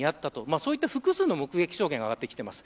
そういう複数の目撃証言が上がっています。